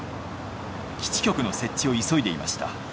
基地局の設置を急いでいました。